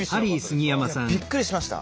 びっくりしました。